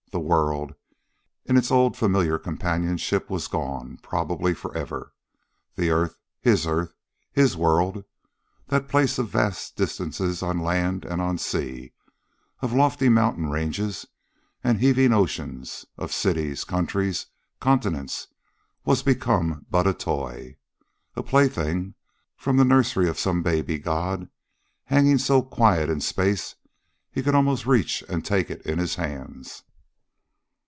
The world, in its old, familiar companionship, was gone probably forever. The earth his earth his world that place of vast distances on land and on sea, of lofty mountain ranges and heaving oceans, of cities, countries, continents was become but a toy. A plaything from the nursery of some baby god, hanging so quiet in space he could almost reach and take it in his hands.